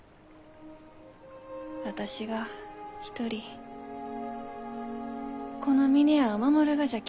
私が一人この峰屋を守るがじゃき。